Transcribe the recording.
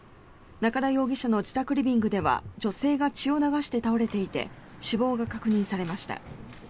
中田容疑者の自宅リビングでは女性が血を流して倒れていて死亡が確認されました。